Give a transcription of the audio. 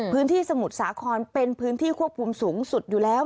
สมุทรสาครเป็นพื้นที่ควบคุมสูงสุดอยู่แล้ว